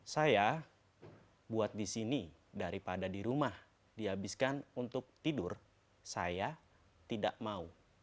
saya buat di sini daripada di rumah dihabiskan untuk tidur saya tidak mau